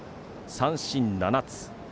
三振、７つ。